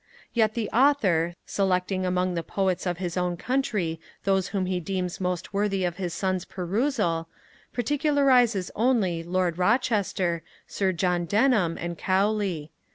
Yet the Author, selecting among the Poets of his own country those whom he deems most worthy of his son's perusal, particularizes only Lord Rochester, Sir John Denham, and Cowley.